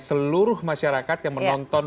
seluruh masyarakat yang menonton